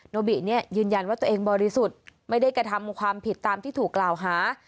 โนบิเนี่ยยืนยันว่าตัวเองบริสุทธิ์ไม่ได้กระทำความผิดตามที่ถูกกล่าวหา